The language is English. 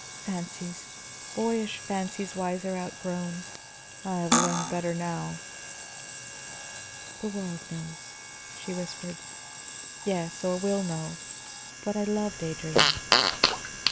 Fancies, boyish fancies wiser outgrown; I have learned better now." "The world knows," she whispered. "Yes; or will know. But I loved Adrian."